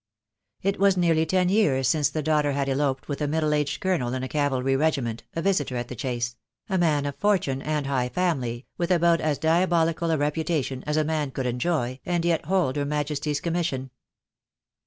It was nearly ten years since the daughter had eloped with a middle aged Colonel in a cavalry regiment, a visitor at the Chase — a man of fortune and high family, with about as diabolical a reputation as a man could enjoy and yet hold Her Majesty's commission.